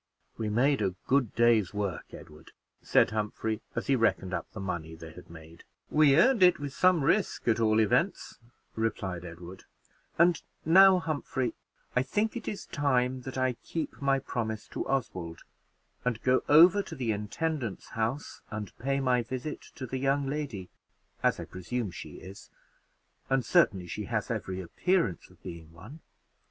"We made a good day's work, Edward," said Humphrey, as he reckoned up the money they had made. "We earned it with some risk, at all events," replied Edward; "and now, Humphrey, I think it is time that I keep my promise to Oswald, and go over to the intendant's house, and pay my visit to the young lady, as I presume she is and certainly she has every appearance of being one.